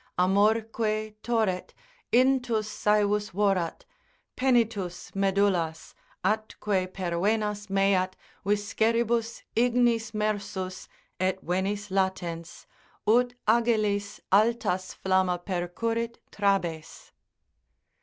Amorque torret, intus saevus vorat Penitus medullas, atque per venas meat Visceribus ignis mersus, et venis latens, Ut agilis altas flamma percurrit trabes.